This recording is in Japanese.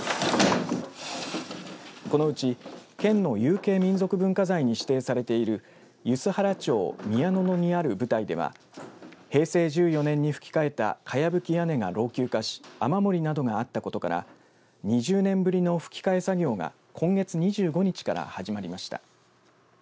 このうち、県の有形民族文化財に指定されている梼原町宮野々にある舞台では平成１４年にふき替えたかやぶき屋根が老朽化し雨漏りなどがあったことから２０年ぶりのふき替え作業が今月２５日から始まりました。